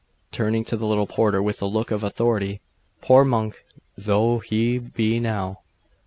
turning to the little porter with a look of authority 'poor monk though he be now.